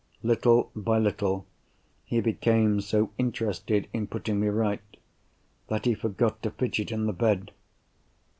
Little by little, he became so interested in putting me right that he forgot to fidget in the bed.